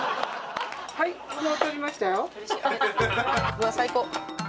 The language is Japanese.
うわ。最高。